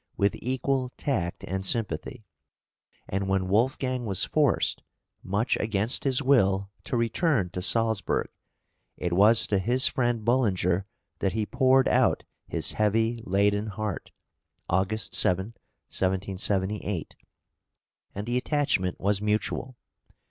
} (336) with equal tact and sympathy; and when Wolfgang was forced, much against his will, to return to Salzburg, it was to his friend Bullinger that he poured out his heavy laden heart (August 7, 1778). And the attachment was mutual.